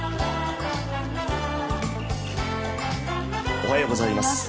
おはようございます。